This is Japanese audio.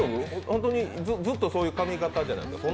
本当にずっとそういう髪形じゃないですか。